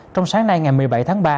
trong sáng nay ngày một mươi bảy tháng ba